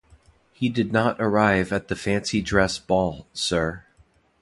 He did not arrive at the fancy-dress ball, sir.